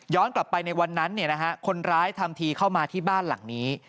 กลับไปในวันนั้นคนร้ายทำทีเข้ามาที่บ้านหลังนี้